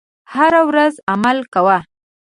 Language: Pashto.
هره ورځ عمل کوه .